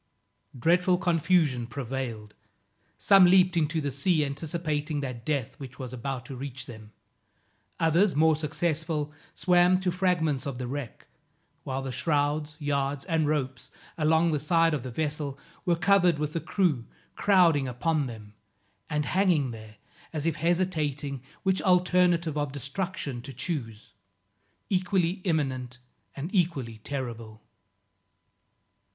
Dreadful confusion prevailed. Some leaped into the sea, anticipating that death which was about to reach them; others, more successful, swam to fragments of the wreck; while the shrouds, yards and ropes, along the side of the vessel, were covered with the crew crowding upon them, and hanging there, as if hesitating which alternative of destruction to choose, equally imminent and equally terrible.